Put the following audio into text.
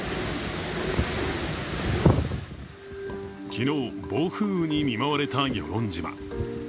昨日、暴風雨に見舞われた与論島